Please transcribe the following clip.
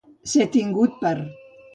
Ser tingut per.